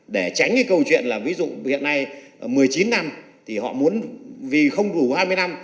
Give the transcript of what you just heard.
để tránh câu chuyện là ví dụ hiện nay một mươi chín năm thì họ muốn vì không đủ hai mươi năm thì họ xin về một lần